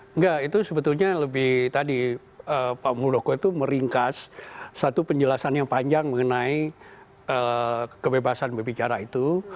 enggak itu sebetulnya lebih tadi pak muldoko itu meringkas satu penjelasan yang panjang mengenai kebebasan berbicara itu